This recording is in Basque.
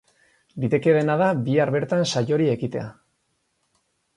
Litekeena da bihar bertan saiori ekitea.